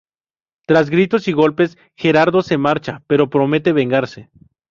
Tras gritos y golpes, Gerardo se marcha pero promete vengarse.